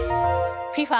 ＦＩＦＡ